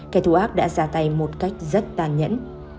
kẻ thù ác đã ra tay một cách rất tàn nhẫn